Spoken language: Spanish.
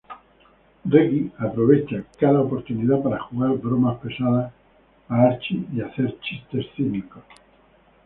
Reggie aprovecha cada oportunidad para jugar bromas pesadas a Archie y hacer chistes cínicos.